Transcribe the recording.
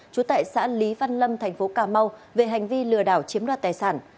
trú tại xã lý văn lâm thành phố cà mau về hành vi lừa đảo chiếm đoạt tài sản